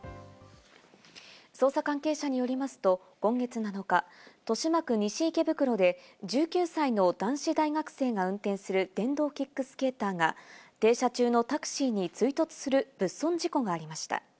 捜査関係者によりますと、今月７日、豊島区西池袋で１９歳の男子大学生が運転する電動キックスケーターが停車中のタクシーに追突する物損事故がありました。